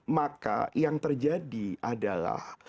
maka yang terjadi adalah